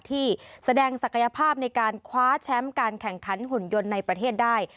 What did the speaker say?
ที่แสดงศักยภาพในการคว้าแชมป์การแข่งขันหุ่นยนต์ในประเทศได้